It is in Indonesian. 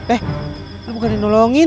eh lu bukan dinolongin